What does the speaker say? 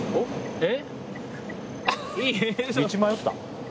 えっ！？